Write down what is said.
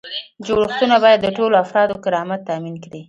جوړښتونه باید د ټولو افرادو کرامت تامین کړي.